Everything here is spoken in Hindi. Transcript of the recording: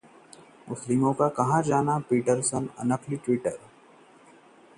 पीटरसन के नकली ट्विटर अकाउंट में मेरी भूमिका नहीं: स्टुअर्ट ब्रॉड